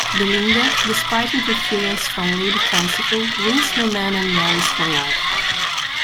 Belinda, despite interference from Lady Fanciful, wins her man and marries for love.